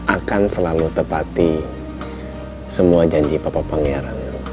akan selalu tepati semua janji bapak pangeran